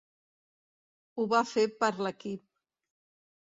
Ho va fer per l'equip.